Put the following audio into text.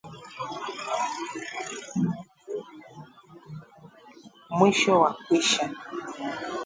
Mwisho wa kwisha